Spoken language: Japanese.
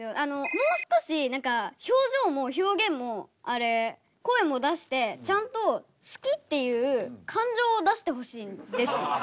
もう少し表情も表現も声も出してちゃんと「好き」っていう感情を出してほしいんです。